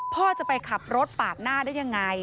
พ่อจะไปขับรถปาดหน้าได้ยังไง